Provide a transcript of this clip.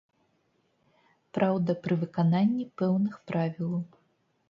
Праўда, пры выкананні пэўных правілаў.